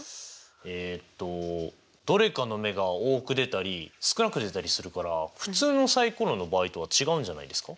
えっとどれかの目が多く出たり少なく出たりするから普通のサイコロの場合とは違うんじゃないですか？